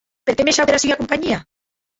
Perque me shaute era sua companhia?